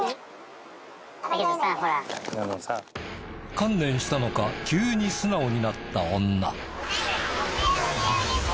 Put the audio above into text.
観念したのか急に素直になった女。